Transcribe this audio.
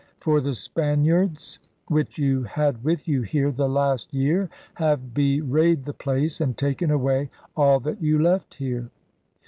For the Spaniards which you had with you here, the last year, have be wrayed the place and taken away all that you left here.